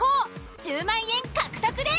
１０万円獲得です。